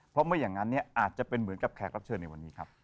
เพราะไม่อย่างนั้นอาจจะเป็นเหมือนกับแขกรับเชิญในวันนี้ครับ